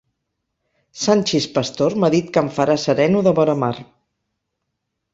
Sanxis pastor m'ha dit que em farà sereno de vora mar.